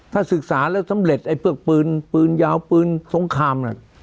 ถ้าศึกษาแล้วสำเร็จไอ้พวกปืนปืนยาวปืนสงครามน่ะ